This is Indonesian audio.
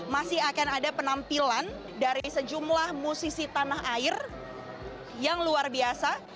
masih akan ada penampilan dari sejumlah musisi tanah air yang luar biasa